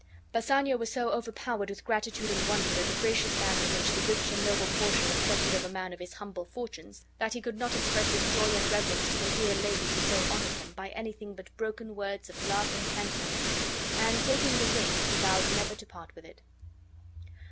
Bassanio was so overpowered with gratitude and wonder at the gracious manner in which the rich and noble Portia accepted of a man of his humble fortunes that he could not express his joy and reverence to the dear lady who so honored him, by anything but broken words of love and thankfulness; and, taking the ring, he vowed never to part with it.